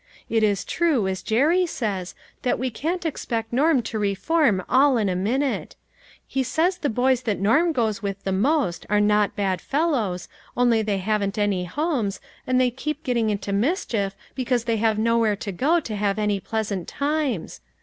It is true, as Jerry says, that we can't expect Norm to reform all in a minute. He says the boys that Norm goes with the most are not bad fellows, only they haven't any homes, and they keep getting into mischief, because they have nowhere to go to have any pleasant times.